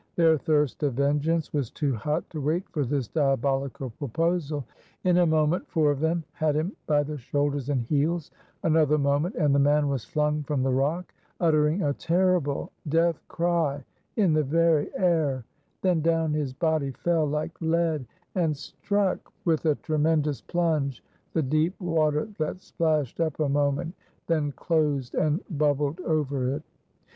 Their thirst of vengeance was too hot to wait for this diabolical proposal; in a moment four of them had him by the shoulders and heels; another moment and the man was flung from the rock, uttering a terrible death cry in the very air; then down his body fell like lead, and struck with a tremendous plunge the deep water that splashed up a moment, then closed and bubbled over it.